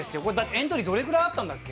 エントリーどれぐらいあったんだっけ？